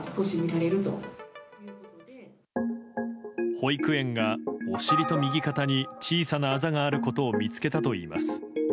保育園がお尻と右肩に小さなあざがあることを見つけたといいます。